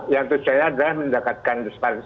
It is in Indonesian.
yang tujuannya adalah mendekatkan dispartisipa